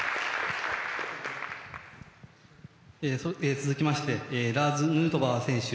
続きましてラーズ・ヌートバー選手。